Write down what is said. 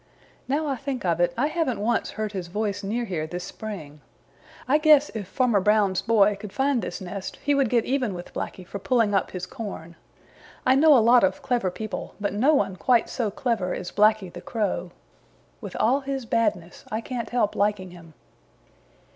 Now I think of it, I haven't once heard his voice near here this spring. I guess if Farmer Brown's boy could find this nest he would get even with Blacky for pulling up his corn. I know a lot of clever people, but no one quite so clever as Blacky the Crow. With all his badness I can't help liking him."